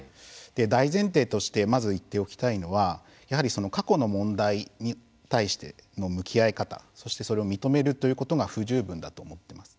大前提としてまず言っておきたいのはやはり、過去の問題に対しての向き合い方、そしてそれを認めるということが不十分だと思います。